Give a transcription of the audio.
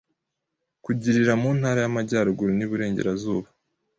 kugirira mu Ntara y’Amajyaruguru n’Iburengerazuba,